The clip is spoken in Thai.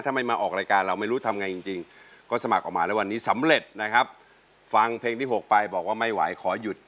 ถ้าไม่มาออกรายการเราไม่รู้ทำไงจริงจริงก็สมัครออกมาแล้ววันนี้สำเร็จนะครับฟังเพลงที่๖ไปบอกว่าไม่ไหวขอหยุด